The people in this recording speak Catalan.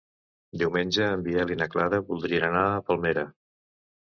Diumenge en Biel i na Clara voldrien anar a Palmera.